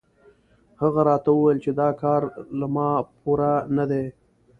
هغه راته وویل چې دا کار له ما پوره نه دی.